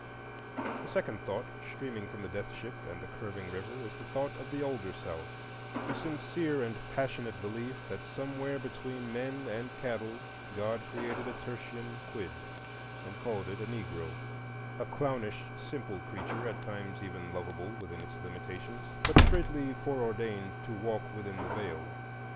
The second thought streaming from the death ship and the curving river is the thought of the older South,—the sincere and passionate belief that somewhere between men and cattle, God created a tertium quid, and called it a Negro,—a clownish, simple creature, at times even lovable within its limitations, but straitly foreordained to walk within the Veil.